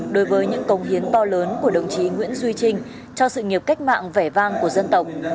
đối với những công hiến to lớn của đồng chí nguyễn duy trinh cho sự nghiệp cách mạng vẻ vang của dân tộc